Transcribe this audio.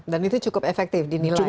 dan itu cukup efektif dinilai selama ini